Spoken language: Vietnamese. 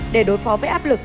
để đối phó với áp lực